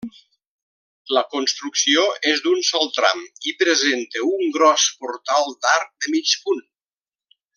La construcció és d'un sol tram i presenta un gros portal d'arc de mig punt.